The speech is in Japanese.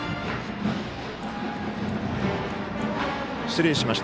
失礼しました。